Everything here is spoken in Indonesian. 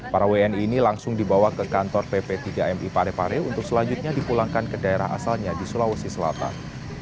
para wni ini langsung dibawa ke kantor pp tiga mi parepare untuk selanjutnya dipulangkan ke daerah asalnya di sulawesi selatan